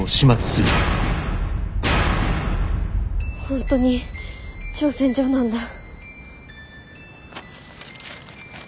本当に挑戦状なんだ。